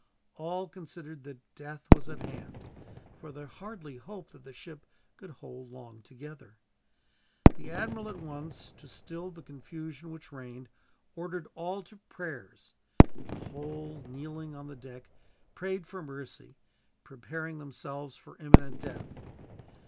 All considered that death was at hand, for they hardly hoped that the ship could hold long together. The admiral at once, to still the confusion which reigned, ordered all to prayers; and the whole, kneeling on the deck, prayed for mercy, preparing themselves for imminent death.